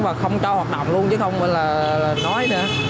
và không cho hoạt động luôn chứ không nói nữa